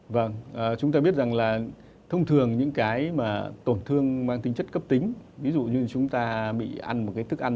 vâng chúng ta biết rằng là thông thường những cái mà tổn thương mang tính chất cấp tính ví dụ như là chúng ta có thể tổn thương mang tính chất cấp tính